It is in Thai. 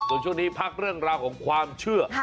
ส่วนช่วงนี้พักเรื่องราวของความเชื่อ